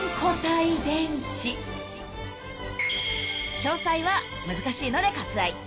［詳細は難しいので割愛］